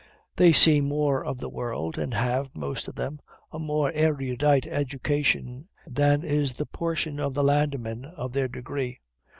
They see more of the world, and have, most of them, a more erudite education than is the portion of landmen of their degree.